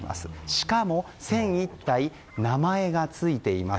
しかも１００１体名前がついています。